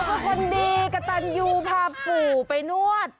โอ้คือคนดีกระตานยูพาปู่ไปนวด